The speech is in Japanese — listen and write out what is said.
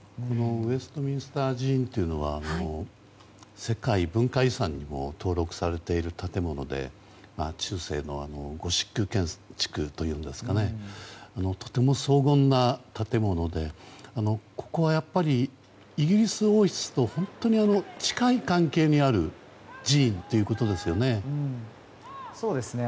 ウェストミンスター寺院というのは世界文化遺産にも登録されている建物で中世のゴシック建築というんですかねとても荘厳な建物でここはやっぱりイギリス王室と本当に近い関係にある寺院ということですよね。